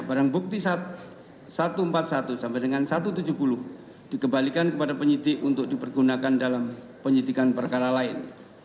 barang bukti satu ratus empat puluh satu sampai dengan satu ratus tujuh puluh dikembalikan kepada penyidik untuk dipergunakan dalam penyidikan perkara lain